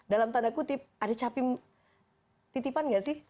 dalam tanda kutip ada capim titipan nggak sih